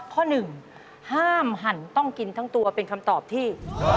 ข้อหนึ่งห้ามหั่นต้องกินทั้งตัวเป็นคำตอบที่